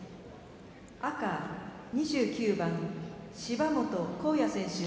赤２９番、芝本航矢選手。